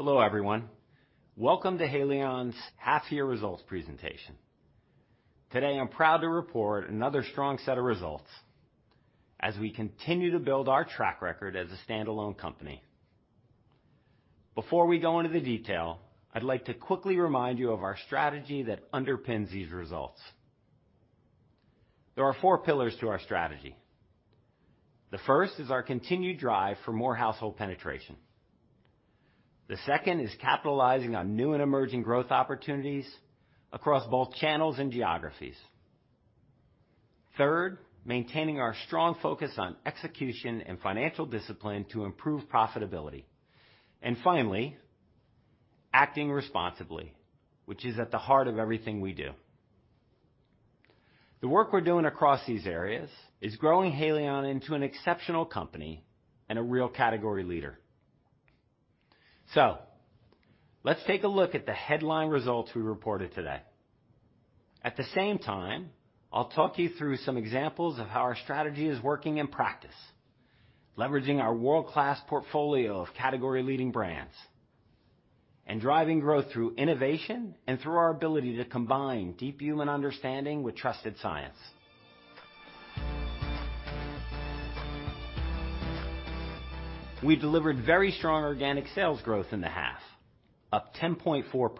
Hello, everyone. Welcome to Haleon's half year results presentation. Today, I'm proud to report another strong set of results as we continue to build our track record as a standalone company. Before we go into the detail, I'd like to quickly remind you of our strategy that underpins these results. There are four pillars to our strategy. The first is our continued drive for more household penetration. The second is capitalizing on new and emerging growth opportunities across both channels and geographies. Third, maintaining our strong focus on execution and financial discipline to improve profitability, Finally, acting responsibly, which is at the heart of everything we do. The work we're doing across these areas is growing Haleon into an exceptional company and a real category leader. Let's take a look at the headline results we reported today. At the same time, I'll talk you through some examples of how our strategy is working in practice, leveraging our world-class portfolio of category-leading brands, and driving growth through innovation and through our ability to combine deep human understanding with trusted science. We delivered very strong organic sales growth in the half, up 10.4%,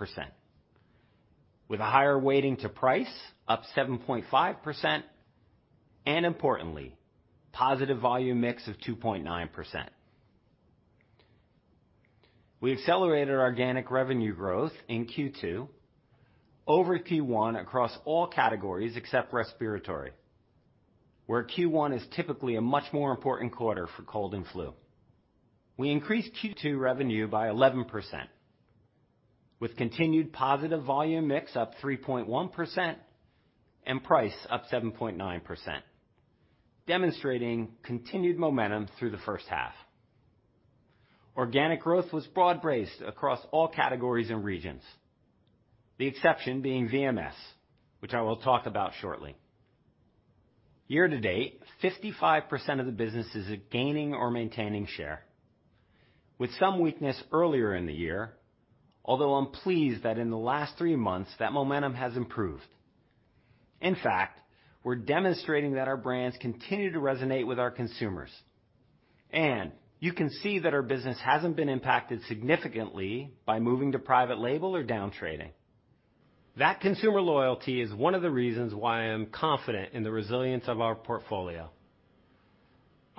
with a higher weighting to price up 7.5%, and importantly, positive volume mix of 2.9%. We accelerated our organic revenue growth in Q2 over Q1 across all categories except respiratory, where Q1 is typically a much more important quarter for cold and flu. We increased Q2 revenue by 11%, with continued positive volume mix up 3.1% and price up 7.9%, demonstrating continued momentum through the first half. Organic growth was broad-based across all categories and regions. The exception being VMS, which I will talk about shortly. Year to date, 55% of the business is gaining or maintaining share, with some weakness earlier in the year, although I'm pleased that in the last 3 months, that momentum has improved. In fact, we're demonstrating that our brands continue to resonate with our consumers, and you can see that our business hasn't been impacted significantly by moving to private label or down trading. That consumer loyalty is one of the reasons why I'm confident in the resilience of our portfolio.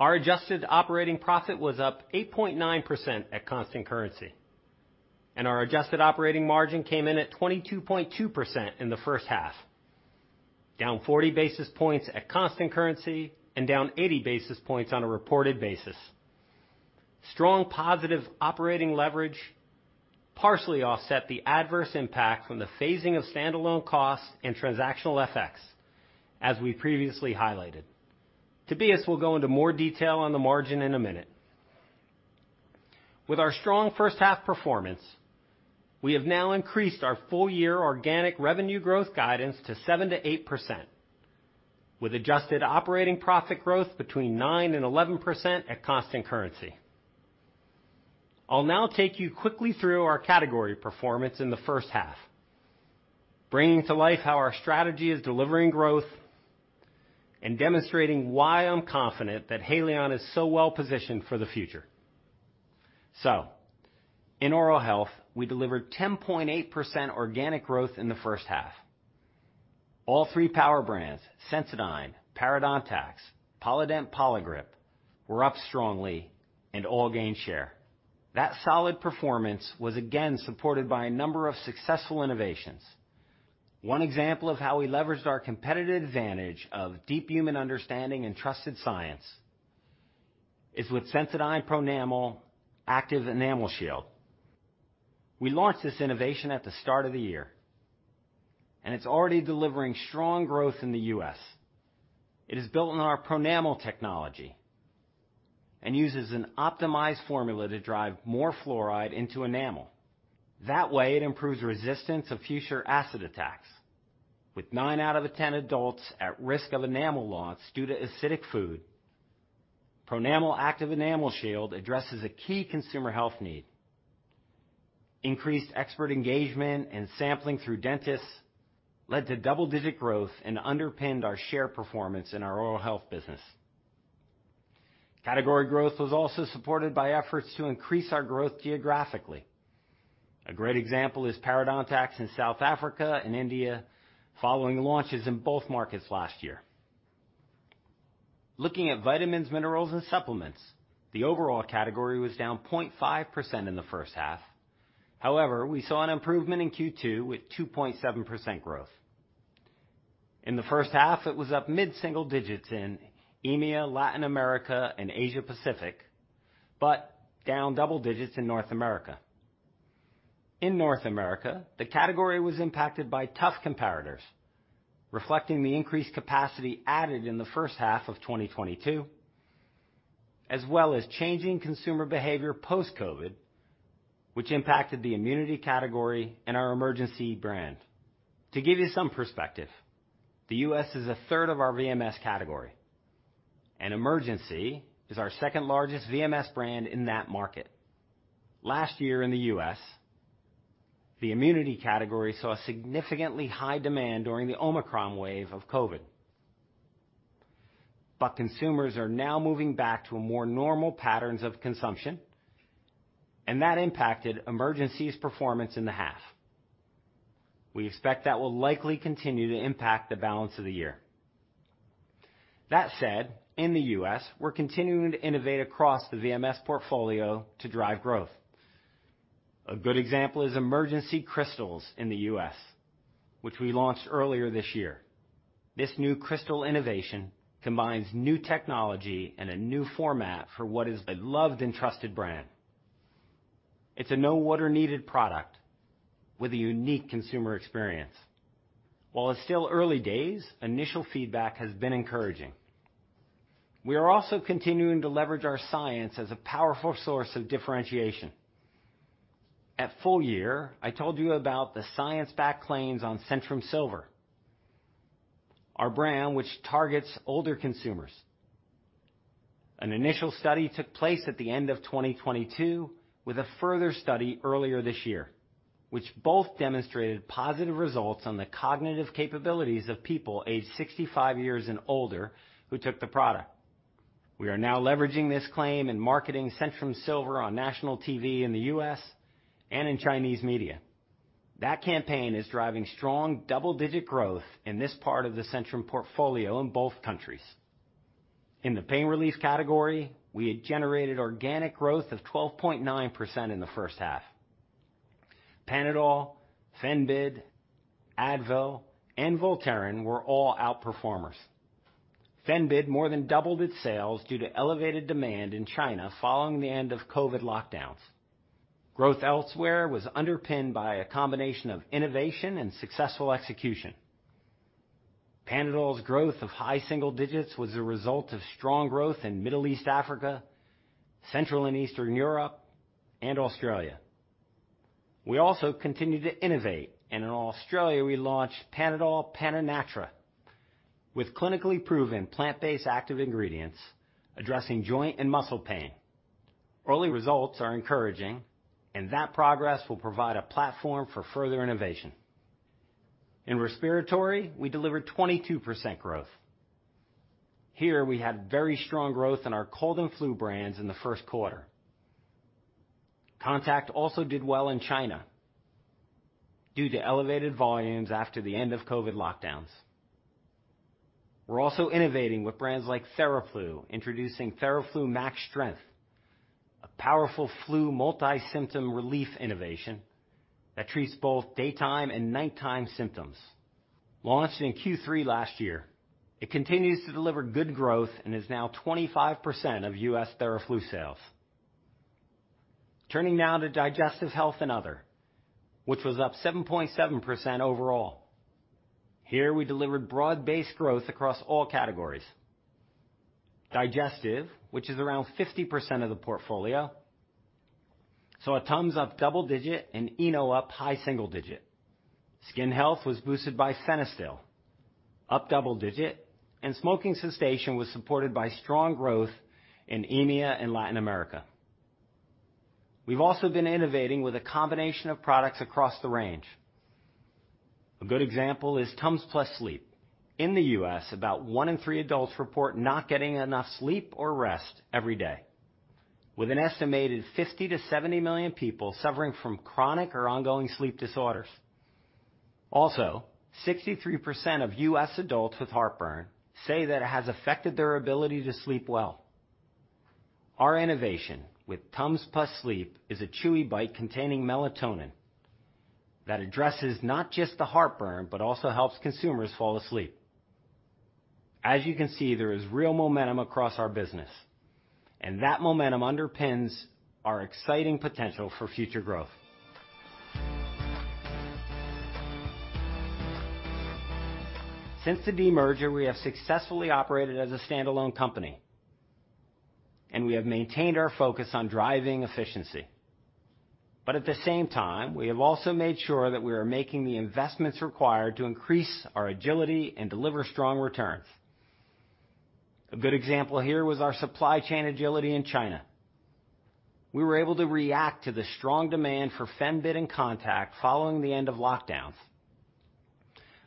Our adjusted operating profit was up 8.9% at constant currency, and our adjusted operating margin came in at 22.2% in the first half, down 40 basis points at constant currency, and down 80 basis points on a reported basis. Strong, positive operating leverage partially offset the adverse impact from the phasing of standalone costs and transactional FX, as we previously highlighted. Tobias will go into more detail on the margin in a minute. With our strong first half performance, we have now increased our full year organic revenue growth guidance to 7%-8%, with adjusted operating profit growth between 9% and 11% at constant currency. I'll now take you quickly through our category performance in the first half, bringing to life how our strategy is delivering growth and demonstrating why I'm confident that Haleon is so well positioned for the future. In oral health, we delivered 10.8% organic growth in the first half. All three power brands, Sensodyne, Parodontax, Polident, Poligrip, were up strongly and all gained share. That solid performance was again supported by a number of successful innovations. One example of how we leveraged our competitive advantage of deep human understanding and trusted science is with Sensodyne Pronamel Active Enamel Shield. We launched this innovation at the start of the year. It's already delivering strong growth in the US. It is built on our Pronamel technology and uses an optimized formula to drive more fluoride into enamel. That way, it improves resistance of future acid attacks. With nine out of the ten adults at risk of enamel loss due to acidic food, Pronamel Active Enamel Shield addresses a key consumer health need. Increased expert engagement and sampling through dentists led to double-digit growth and underpinned our share performance in our oral health business. Category growth was also supported by efforts to increase our growth geographically. A great example is Parodontax in South Africa and India, following launches in both markets last year. Looking at vitamins, minerals, and supplements, the overall category was down 0.5% in the first half. However, we saw an improvement in Q2 with 2.7% growth. In the first half, it was up mid-single digits in EMEA, Latin America, and Asia Pacific, but down double digits in North America. In North America, the category was impacted by tough comparators, reflecting the increased capacity added in the first half of 2022, as well as changing consumer behavior post-COVID, which impacted the immunity category and our Emergen-C brand. To give you some perspective, the US is a third of our VMS category, and Emergen-C is our second-largest VMS brand in that market. Last year in the US, the immunity category saw a significantly high demand during the Omicron wave of COVID. Consumers are now moving back to a more normal patterns of consumption, and that impacted Emergen-C's performance in the half. We expect that will likely continue to impact the balance of the year. That said, in the US, we're continuing to innovate across the VMS portfolio to drive growth. A good example is Emergen-C Crystals in the US, which we launched earlier this year. This new crystal innovation combines new technology and a new format for what is a loved and trusted brand. It's a no-water-needed product with a unique consumer experience. While it's still early days, initial feedback has been encouraging. We are also continuing to leverage our science as a powerful source of differentiation. At full year, I told you about the science-backed claims on Centrum Silver, our brand, which targets older consumers. An initial study took place at the end of 2022, with a further study earlier this year, which both demonstrated positive results on the cognitive capabilities of people aged 65 years and older who took the product. We are now leveraging this claim in marketing Centrum Silver on national TV in the US and in Chinese media. That campaign is driving strong double-digit growth in this part of the Centrum portfolio in both countries. In the pain relief category, we had generated organic growth of 12.9% in the first half. Panadol, Fenbid, Advil, and Voltaren were all outperformers. Fenbid more than doubled its sales due to elevated demand in China following the end of COVID lockdowns. Growth elsewhere was underpinned by a combination of innovation and successful execution. Panadol's growth of high single digits was a result of strong growth in Middle East Africa, Central and Eastern Europe, and Australia. We also continued to innovate, in Australia, we launched Panadol PanaNatra, with clinically proven plant-based active ingredients addressing joint and muscle pain. Early results are encouraging, that progress will provide a platform for further innovation. In respiratory, we delivered 22% growth. Here, we had very strong growth in our cold and flu brands in the first quarter. Contac also did well in China due to elevated volumes after the end of COVID lockdowns. We're also innovating with brands like Theraflu, introducing Theraflu Max Strength, a powerful flu multi-symptom relief innovation that treats both daytime and nighttime symptoms. Launched in Q3 last year, it continues to deliver good growth and is now 25% of US Theraflu sales. Turning now to Digestive Health and Other, which was up 7.7% overall. Here, we delivered broad-based growth across all categories. Digestive, which is around 50% of the portfolio, saw our TUMS up double digit and Eno up high single digit. Skin health was boosted by Fenistil, up double digit, and smoking cessation was supported by strong growth in EMEA and Latin America. We've also been innovating with a combination of products across the range. A good example is TUMS Plus Sleep. In the US, about 1 in 3 adults report not getting enough sleep or rest every day, with an estimated 50 million-70 million people suffering from chronic or ongoing sleep disorders. Also, 63% of US adults with heartburn say that it has affected their ability to sleep well. Our innovation with TUMS Plus Sleep is a chewy bite containing melatonin that addresses not just the heartburn, but also helps consumers fall asleep. As you can see, there is real momentum across our business, and that momentum underpins our exciting potential for future growth. Since the demerger, we have successfully operated as a standalone company, and we have maintained our focus on driving efficiency. At the same time, we have also made sure that we are making the investments required to increase our agility and deliver strong returns. A good example here was our supply chain agility in China. We were able to react to the strong demand for Fenbid and Contac following the end of lockdowns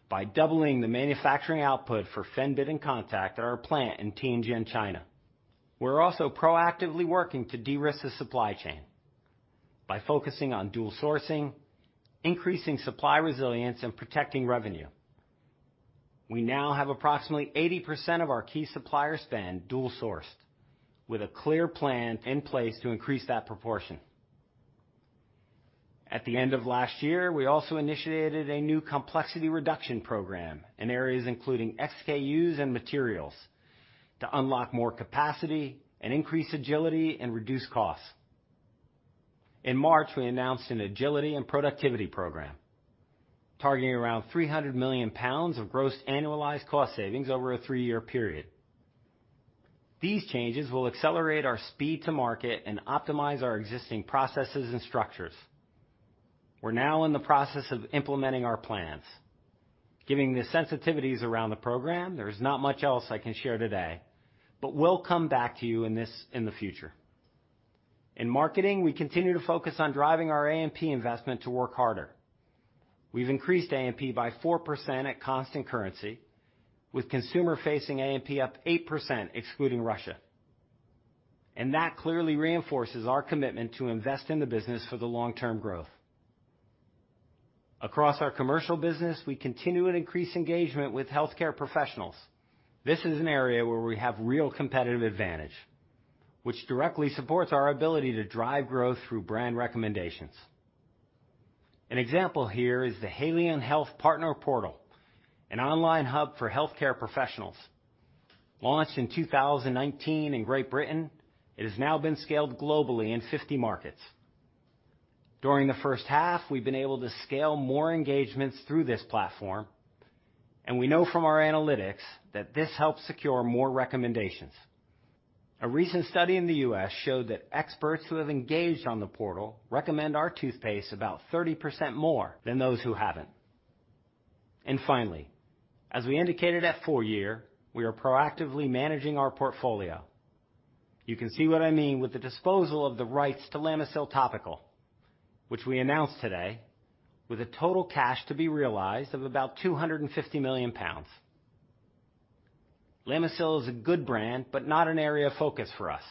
by doubling the manufacturing output for Fenbid and Contac at our plant in Tianjin, China. We're also proactively working to de-risk the supply chain by focusing on dual sourcing, increasing supply resilience, and protecting revenue. We now have approximately 80% of our key supplier spend dual sourced, with a clear plan in place to increase that proportion. At the end of last year, we also initiated a new complexity reduction program in areas including SKUs and materials to unlock more capacity and increase agility and reduce costs. In March, we announced an agility and productivity program targeting around 300 million pounds of gross annualized cost savings over a 3-year period. These changes will accelerate our speed to market and optimize our existing processes and structures. We're now in the process of implementing our plans. Given the sensitivities around the program, there is not much else I can share today, but we'll come back to you in the future. In marketing, we continue to focus on driving our AMP investment to work harder. We've increased AMP by 4% at constant currency, with consumer-facing AMP up 8%, excluding Russia. That clearly reinforces our commitment to invest in the business for the long-term growth. Across our commercial business, we continue to increase engagement with healthcare professionals. This is an area where we have real competitive advantage, which directly supports our ability to drive growth through brand recommendations. An example here is the Haleon Health Partner Portal, an online hub for healthcare professionals. Launched in 2019 in Great Britain, it has now been scaled globally in 50 markets. During the first half, we've been able to scale more engagements through this platform, and we know from our analytics that this helps secure more recommendations. A recent study in the US showed that experts who have engaged on the portal recommend our toothpaste about 30% more than those who haven't. Finally, as we indicated at full year, we are proactively managing our portfolio. You can see what I mean with the disposal of the rights to Lamisil Topical, which we announced today, with a total cash to be realized of about 250 million pounds. Lamisil is a good brand, but not an area of focus for us,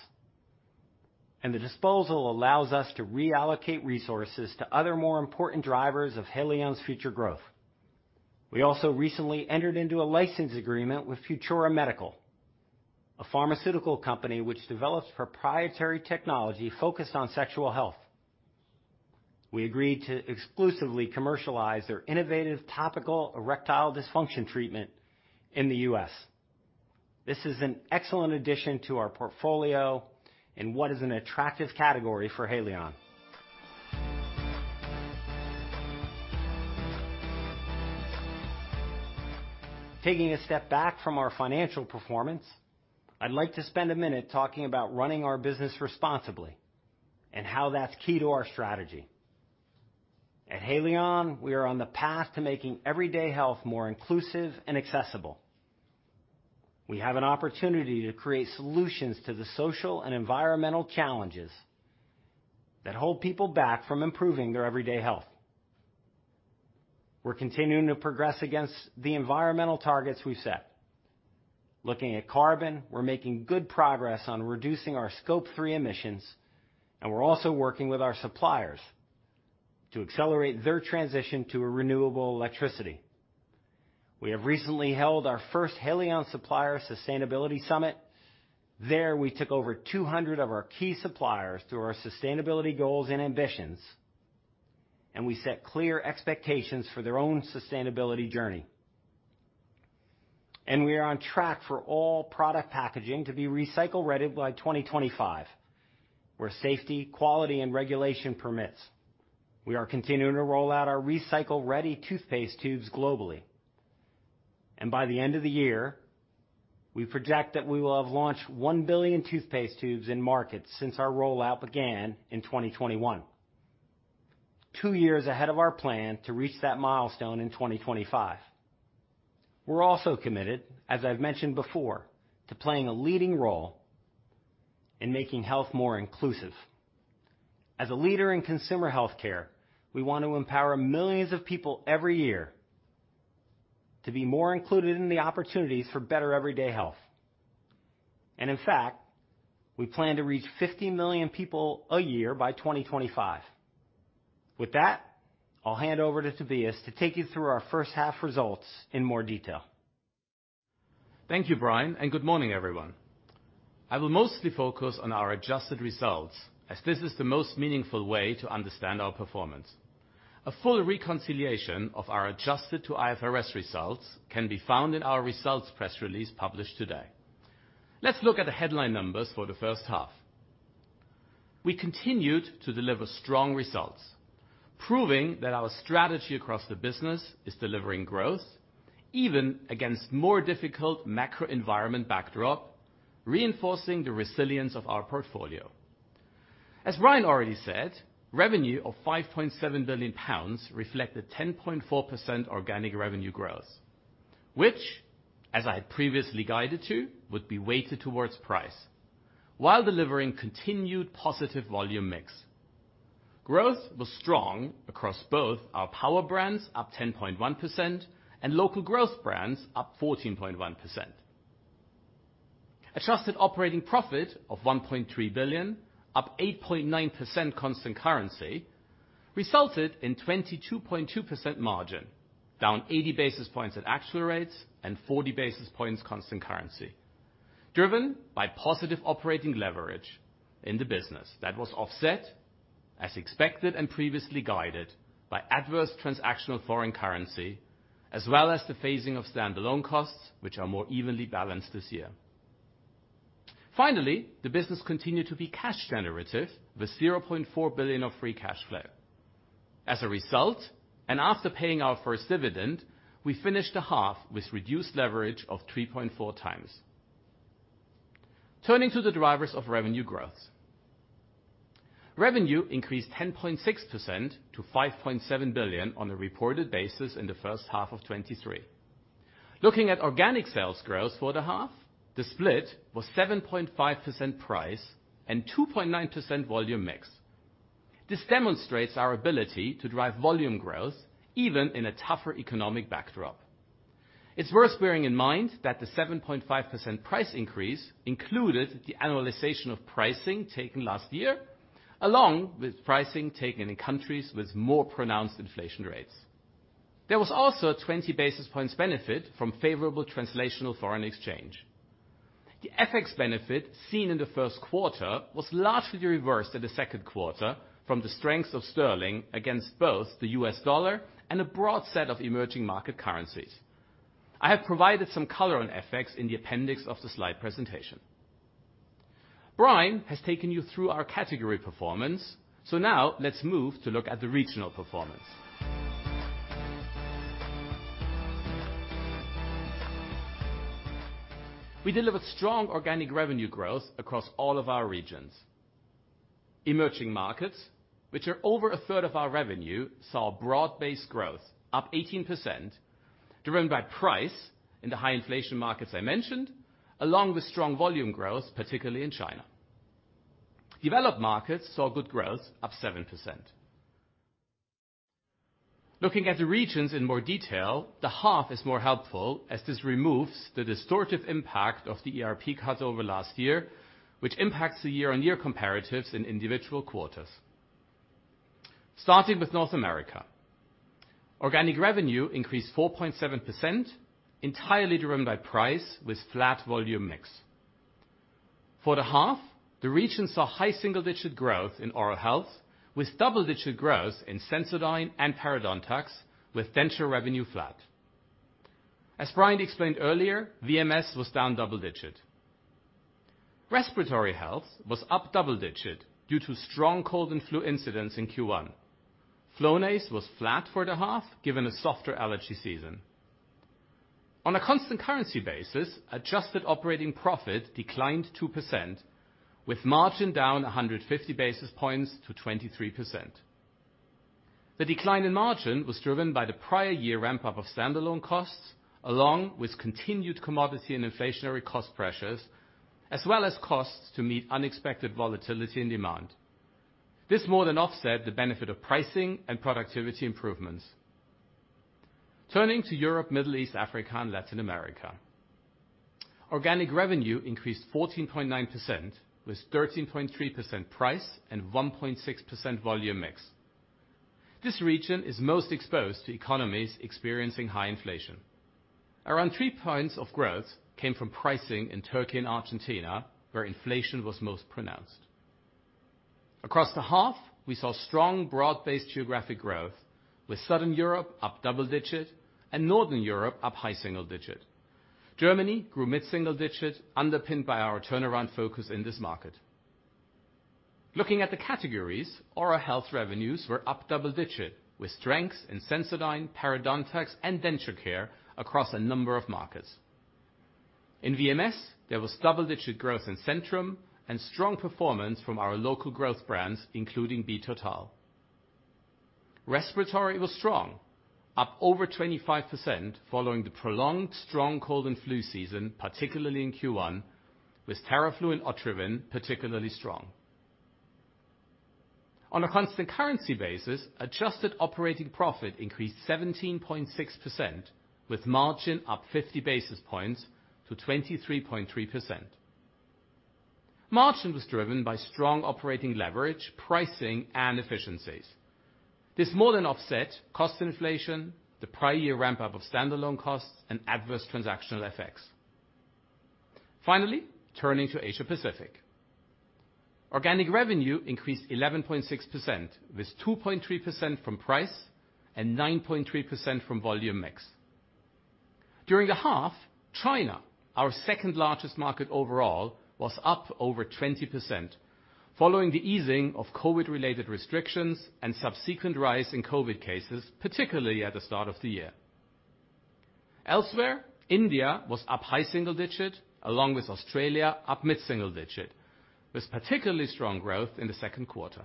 and the disposal allows us to reallocate resources to other, more important drivers of Haleon's future growth. We also recently entered into a license agreement with Futura Medical, a pharmaceutical company which develops proprietary technology focused on sexual health. We agreed to exclusively commercialize their innovative topical erectile dysfunction treatment in the US. This is an excellent addition to our portfolio in what is an attractive category for Haleon. Taking a step back from our financial performance, I'd like to spend a minute talking about running our business responsibly and how that's key to our strategy. At Haleon, we are on the path to making everyday health more inclusive and accessible. We have an opportunity to create solutions to the social and environmental challenges that hold people back from improving their everyday health. We're continuing to progress against the environmental targets we've set. Looking at carbon, we're making good progress on reducing our scope three emissions, and we're also working with our suppliers to accelerate their transition to a renewable electricity. We have recently held our first Haleon Supplier Sustainability Summit. There, we took over 200 of our key suppliers through our sustainability goals and ambitions. We set clear expectations for their own sustainability journey. We are on track for all product packaging to be recycle-ready by 2025, where safety, quality, and regulation permits. We are continuing to roll out our recycle-ready toothpaste tubes globally. By the end of the year, we project that we will have launched 1 billion toothpaste tubes in markets since our rollout began in 2021, 2 years ahead of our plan to reach that milestone in 2025. We're also committed, as I've mentioned before, to playing a leading role in making health more inclusive. As a leader in consumer healthcare, we want to empower millions of people every year to be more included in the opportunities for better everyday health. In fact, we plan to reach 50 million people a year by 2025. With that, I'll hand over to Tobias to take you through our first half results in more detail. Thank you, Brian. Good morning, everyone. I will mostly focus on our adjusted results, as this is the most meaningful way to understand our performance. A full reconciliation of our adjusted to IFRS results can be found in our results press release published today. Let's look at the headline numbers for the first half. We continued to deliver strong results, proving that our strategy across the business is delivering growth, even against more difficult macro environment backdrop, reinforcing the resilience of our portfolio. As Brian already said, revenue of 5.7 billion pounds reflected 10.4% organic revenue growth, which, as I had previously guided to, would be weighted towards price while delivering continued positive volume mix. Growth was strong across both our power brands, up 10.1%, and local growth brands, up 14.1%. Adjusted operating profit of $1.3 billion, up 8.9% constant currency, resulted in 22.2% margin, down 80 basis points at actual rates and 40 basis points constant currency, driven by positive operating leverage in the business that was offset, as expected and previously guided, by adverse transactional foreign currency, as well as the phasing of standalone costs, which are more evenly balanced this year. Finally, the business continued to be cash generative with $0.4 billion of free cash flow. As a result, after paying out first dividend, we finished the half with reduced leverage of 3.4x. Turning to the drivers of revenue growth. Revenue increased 10.6% to $5.7 billion on a reported basis in the first half of 2023. Looking at organic sales growth for the half, the split was 7.5% price and 2.9% volume mix. This demonstrates our ability to drive volume growth, even in a tougher economic backdrop. It's worth bearing in mind that the 7.5% price increase included the annualization of pricing taken last year, along with pricing taken in countries with more pronounced inflation rates. There was also a 20 basis points benefit from favorable translational foreign exchange. The FX benefit seen in the first quarter was largely reversed in the second quarter from the strength of sterling against both the US dollar and a broad set of emerging market currencies. I have provided some color on effects in the appendix of the slide presentation. Brian has taken you through our category performance, now let's move to look at the regional performance. We delivered strong organic revenue growth across all of our regions. Emerging markets, which are over one-third of our revenue, saw broad-based growth up 18%, driven by price in the high inflation markets I mentioned, along with strong volume growth, particularly in China. Developed markets saw good growth, up 7%. Looking at the regions in more detail, the half is more helpful as this removes the distortive impact of the ERP cut over last year, which impacts the year-on-year comparatives in individual quarters. Starting with North America, organic revenue increased 4.7%, entirely driven by price with flat volume mix. For the half, the region saw high single-digit growth in oral health, with double-digit growth in Sensodyne and Parodontax, with denture revenue flat. As Brian explained earlier, VMS was down double digit. Respiratory health was up double-digit due to strong cold and flu incidents in Q1. Flonase was flat for the half, given a softer allergy season. On a constant currency basis, adjusted operating profit declined 2%, with margin down 150 basis points to 23%. The decline in margin was driven by the prior year ramp-up of standalone costs, along with continued commodity and inflationary cost pressures, as well as costs to meet unexpected volatility and demand. This more than offset the benefit of pricing and productivity improvements. Turning to Europe, Middle East, Africa, and Latin America. Organic revenue increased 14.9%, with 13.3% price and 1.6% volume mix. This region is most exposed to economies experiencing high inflation. Around 3 points of growth came from pricing in Turkey and Argentina, where inflation was most pronounced. Across the half, we saw strong, broad-based geographic growth, with Southern Europe up double-digit and Northern Europe up high single-digit. Germany grew mid-single-digit, underpinned by our turnaround focus in this market. Looking at the categories, Oral Health revenues were up double-digit, with strengths in Sensodyne, Parodontax, and Denture Care across a number of markets. In VMS, there was double-digit growth in Centrum and strong performance from our local growth brands, including Be-Total. Respiratory was strong, up over 25%, following the prolonged strong cold and flu season, particularly in Q1, with Theraflu and Otrivin, particularly strong. On a constant currency basis, adjusted operating profit increased 17.6%, with margin up 50 basis points to 23.3%. Margin was driven by strong operating leverage, pricing, and efficiencies. This more than offset cost inflation, the prior year ramp-up of standalone costs, and adverse transactional effects. Finally, turning to Asia Pacific. Organic revenue increased 11.6%, with 2.3% from price and 9.3% from volume mix. During the half, China, our second largest market overall, was up over 20%, following the easing of COVID-related restrictions and subsequent rise in COVID cases, particularly at the start of the year. Elsewhere, India was up high single digit, along with Australia, up mid single digit, with particularly strong growth in the second quarter.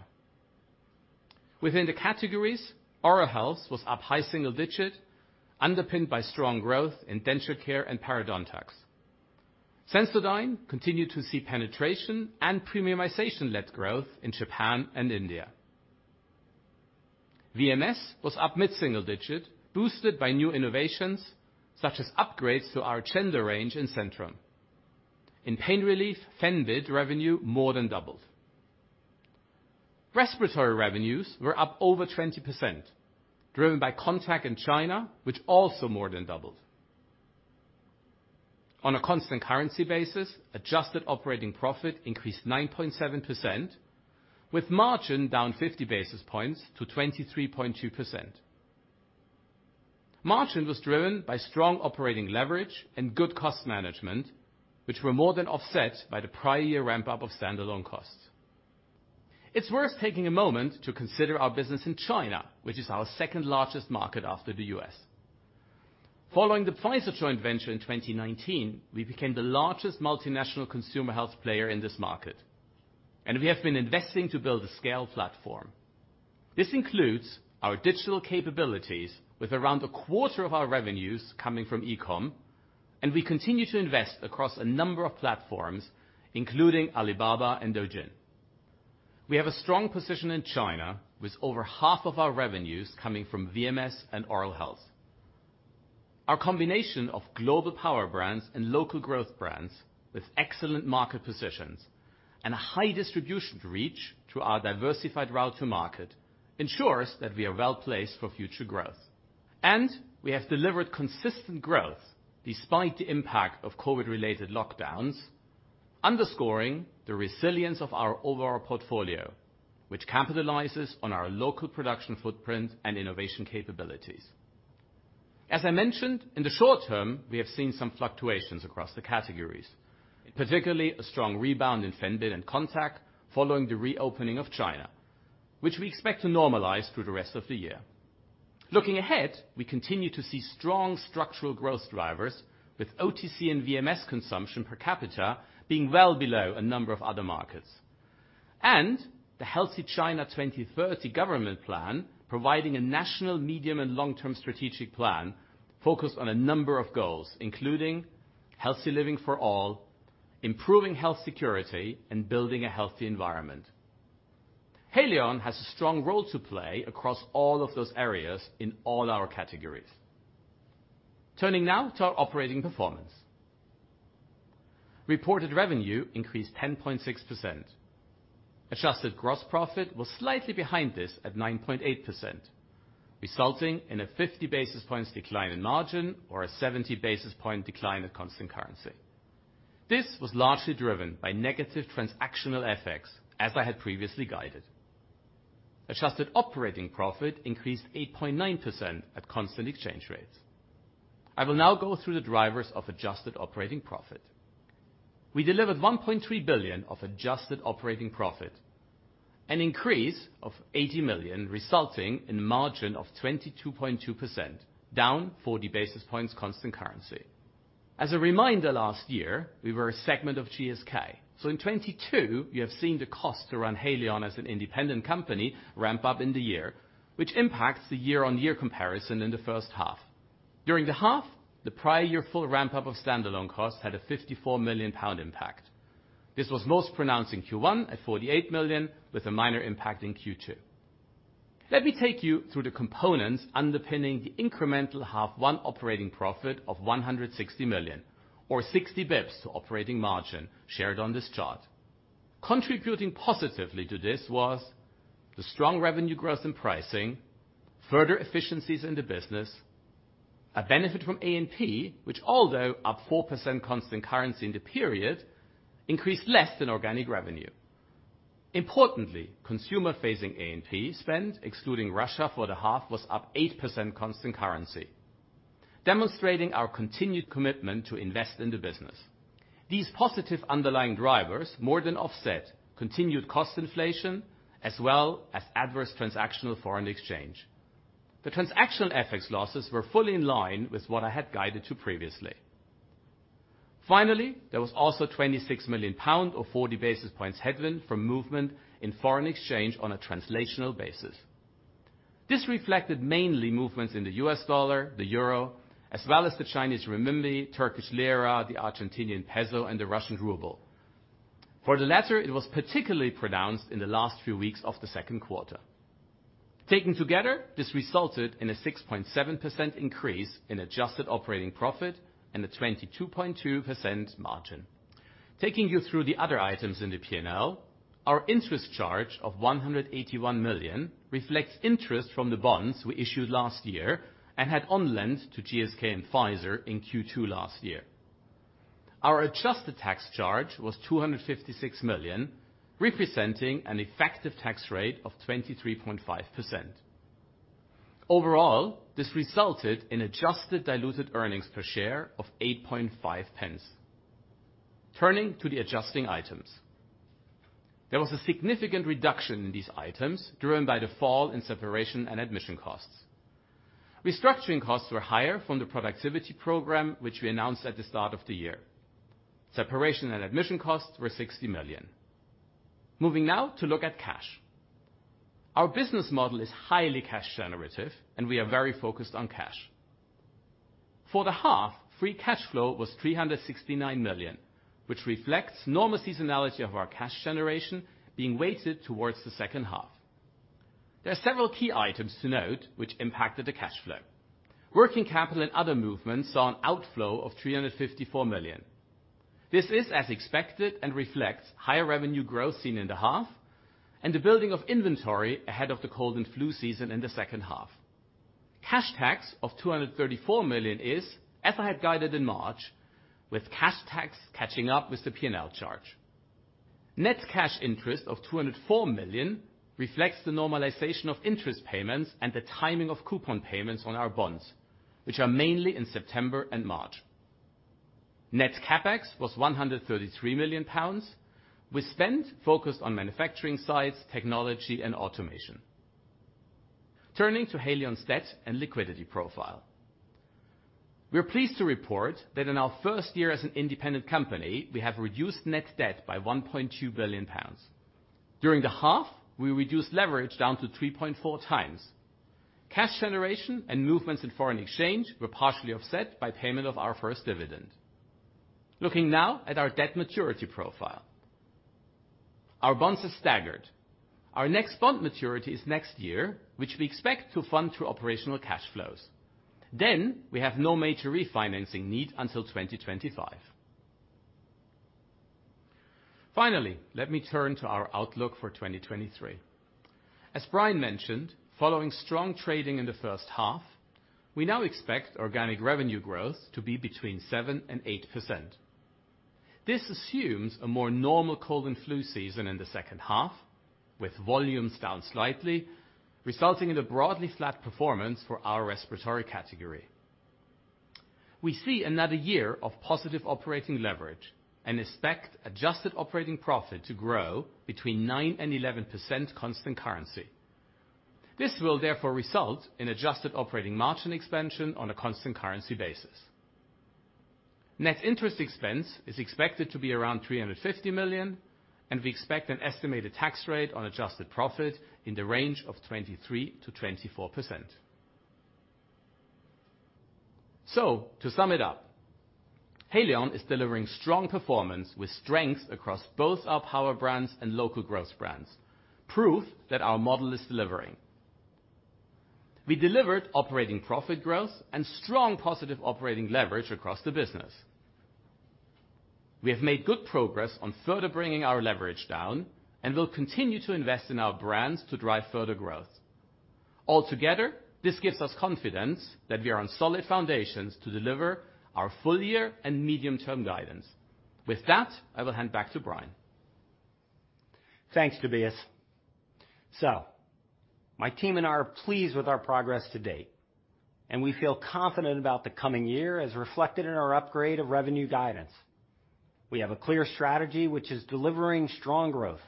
Within the categories, Oral Health was up high single digit, underpinned by strong growth in Denture Care and Parodontax. Sensodyne continued to see penetration and premiumization-led growth in Japan and India. VMS was up mid-single digit, boosted by new innovations, such as upgrades to our gender range in Centrum. In pain relief, Fenbid revenue more than doubled. Respiratory revenues were up over 20%, driven by Contac in China, which also more than doubled. On a constant currency basis, adjusted operating profit increased 9.7%, with margin down 50 basis points to 23.2%. Margin was driven by strong operating leverage and good cost management, which were more than offset by the prior year ramp-up of standalone costs. It's worth taking a moment to consider our business in China, which is our second-largest market after the U.S. Following the price of joint venture in 2019, we became the largest multinational consumer health player in this market, and we have been investing to build a scale platform. This includes our digital capabilities with around a quarter of our revenues coming from e-com, we continue to invest across a number of platforms, including Alibaba and Douyin. We have a strong position in China, with over half of our revenues coming from VMS and oral health. Our combination of global power brands and local growth brands with excellent market positions and a high distribution reach through our diversified route to market, ensures that we are well-placed for future growth. We have delivered consistent growth despite the impact of COVID-related lockdowns, underscoring the resilience of our overall portfolio, which capitalizes on our local production footprint and innovation capabilities. As I mentioned, in the short term, we have seen some fluctuations across the categories, particularly a strong rebound in Fenbid and Contac following the reopening of China, which we expect to normalize through the rest of the year. Looking ahead, we continue to see strong structural growth drivers, with OTC and VMS consumption per capita being well below a number of other markets. The Healthy China 2030 government plan, providing a national, medium, and long-term strategic plan focused on a number of goals, including healthy living for all, improving health security, and building a healthy environment. Haleon has a strong role to play across all of those areas in all our categories. Turning now to our operating performance. Reported revenue increased 10.6%. Adjusted gross profit was slightly behind this at 9.8%, resulting in a 50 basis points decline in margin, or a 70 basis point decline at constant currency. This was largely driven by negative transactional effects, as I had previously guided. Adjusted operating profit increased 8.9% at constant exchange rates. I will now go through the drivers of adjusted operating profit. We delivered 1.3 billion of adjusted operating profit, an increase of 80 million, resulting in a margin of 22.2%, down 40 basis points constant currency. As a reminder, last year, we were a segment of GSK. In 2022, you have seen the cost to run Haleon as an independent company ramp up in the year, which impacts the year-on-year comparison in the first half. During the half, the prior year full ramp-up of standalone costs had a 54 million pound impact. This was most pronounced in Q1 at 48 million, with a minor impact in Q2. Let me take you through the components underpinning the incremental H1 operating profit of 160 million, or 60 basis points to operating margin shared on this chart. Contributing positively to this was the strong revenue growth in pricing, further efficiencies in the business, a benefit from A&P, which although up 4% constant currency in the period, increased less than organic revenue. Importantly, consumer-facing A&P spend, excluding Russia for the half, was up 8% constant currency, demonstrating our continued commitment to invest in the business. These positive underlying drivers more than offset continued cost inflation, as well as adverse transactional foreign exchange. The transactional FX losses were fully in line with what I had guided to previously. There was also 26 million pounds or 40 basis points headwind from movement in foreign exchange on a translational basis. This reflected mainly movements in the US dollar, the euro, as well as the Chinese renminbi, Turkish lira, the Argentinian peso, and the Russian ruble. For the latter, it was particularly pronounced in the last few weeks of the second quarter. Taken together, this resulted in a 6.7% increase in adjusted operating profit and a 22.2% margin. Taking you through the other items in the P&L, our interest charge of 181 million reflects interest from the bonds we issued last year and had on-lent to GSK and Pfizer in Q2 last year. Our adjusted tax charge was 256 million, representing an effective tax rate of 23.5%. Overall, this resulted in adjusted diluted earnings per share of 8.5 pence. Turning to the adjusting items. There was a significant reduction in these items, driven by the fall in separation and admission costs. Restructuring costs were higher from the productivity program, which we announced at the start of the year. Separation and admission costs were 60 million. Moving now to look at cash. Our business model is highly cash generative, and we are very focused on cash. For the half, free cash flow was 369 million, which reflects normal seasonality of our cash generation being weighted towards the second half. There are several key items to note which impacted the cash flow. Working capital and other movements saw an outflow of 354 million. This is as expected and reflects higher revenue growth seen in the half, and the building of inventory ahead of the cold and flu season in the second half. Cash tax of 234 million is, as I had guided in March, with cash tax catching up with the P&L charge.... Net cash interest of 204 million reflects the normalization of interest payments and the timing of coupon payments on our bonds, which are mainly in September and March. Net CapEx was 133 million pounds, with spend focused on manufacturing sites, technology, and automation. Turning to Haleon's debt and liquidity profile. We are pleased to report that in our first year as an independent company, we have reduced net debt by 1.2 billion pounds. During the half, we reduced leverage down to 3.4 times. Cash generation and movements in foreign exchange were partially offset by payment of our first dividend. Looking now at our debt maturity profile. Our bonds are staggered. Our next bond maturity is next year, which we expect to fund through operational cash flows. We have no major refinancing needs until 2025. Finally, let me turn to our outlook for 2023. As Brian mentioned, following strong trading in the first half, we now expect organic revenue growth to be between 7% and 8%. This assumes a more normal cold and flu season in the second half, with volumes down slightly, resulting in a broadly flat performance for our respiratory category. We see another year of positive operating leverage and expect adjusted operating profit to grow between 9% and 11% constant currency. This will therefore result in adjusted operating margin expansion on a constant currency basis. Net interest expense is expected to be around $350 million, and we expect an estimated tax rate on adjusted profit in the range of 23%-24%. To sum it up, Haleon is delivering strong performance with strength across both our power brands and local growth brands. Proof that our model is delivering. We delivered operating profit growth and strong positive operating leverage across the business. We have made good progress on further bringing our leverage down. We will continue to invest in our brands to drive further growth. Altogether, this gives us confidence that we are on solid foundations to deliver our full year and medium-term guidance. With that, I will hand back to Brian. Thanks, Tobias. My team and I are pleased with our progress to date, and we feel confident about the coming year as reflected in our upgrade of revenue guidance. We have a clear strategy which is delivering strong growth,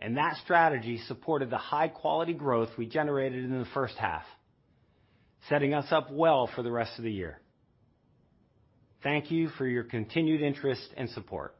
and that strategy supported the high-quality growth we generated in the first half, setting us up well for the rest of the year. Thank you for your continued interest and support.